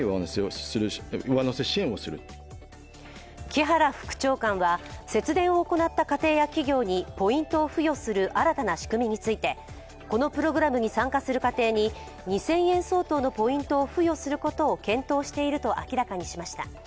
木原副長官は、節電を行った家庭や企業にポイントを付与する新たな仕組みについてこのプログラムに参加する家庭に２０００円相当のポイントを付与することを検討していると明らかにしました。